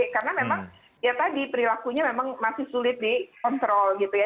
karena memang ya tadi perilakunya memang masih sulit dikontrol gitu ya